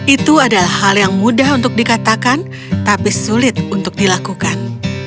itu adalah hal yang mudah untuk dikatakan tapi sulit untuk dilakukan